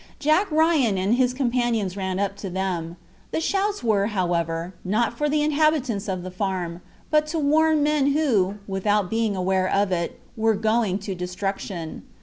Jack Ryan and his companions ran up to them. The shouts were, however, not for the inhabitants of the farm, but to warn men who, without being aware of it, were going to destruction.